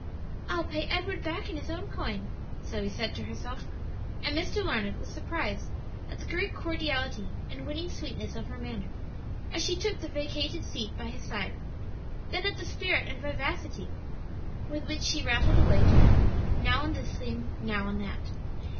"I'll pay Edward back in his own coin," Zoe said to herself, and Mr. Larned was surprised at the great cordiality and winning sweetness of her manner as she took the vacated seat by his side, then at the spirit and vivacity with which she rattled away to him, now on this theme, now on that.